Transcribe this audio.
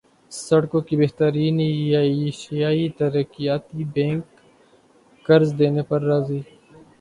سڑکوں کی بہتریایشیائی ترقیاتی بینک قرض دینے پر راضی